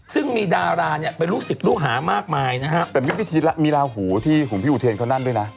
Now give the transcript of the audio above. ซึ่งมีดาราเนี่ยเป็นลูกศิษย์ลูกหามากมายนะฮะแต่มีพิธีมีลาหูที่หุ่นพี่อุเทนเขานั่นด้วยนะ